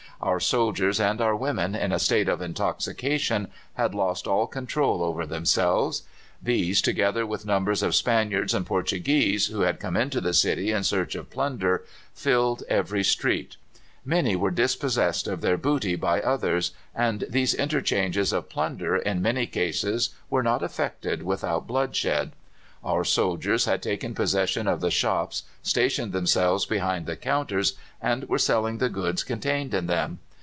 Our soldiers and our women, in a state of intoxication, had lost all control over themselves. These, together with numbers of Spaniards and Portuguese, who had come into the city in search of plunder, filled every street. Many were dispossessed of their booty by others, and these interchanges of plunder in many cases were not effected without bloodshed. Our soldiers had taken possession of the shops, stationed themselves behind the counters, and were selling the goods contained in them.